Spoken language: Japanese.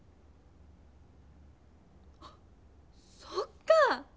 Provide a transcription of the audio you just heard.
あそっか！